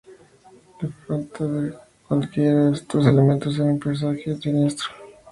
La falta de cualquiera de estos elementos era un presagio siniestro.